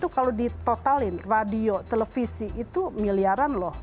kalau ditotalin radio televisi itu miliaran loh